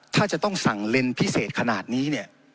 ถ้าจะต้องสั่งเลนส์พิเศษขนาดนี้เนี่ย